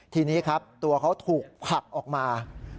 ทีนี้ครับตัวเขาถูกผลักออกมา